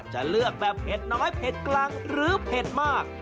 จะเลือกแบบเผ็ดน้อยเผ็ดกลางหรือเผ็ดมาก